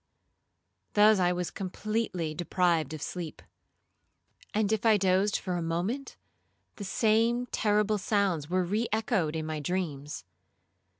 Thus I was completely deprived of sleep; and if I dozed for a moment, the same terrible sounds were re echoed in my dreams.